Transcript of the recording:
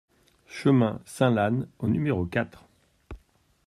Chemin Saint-Lannes au numéro quatre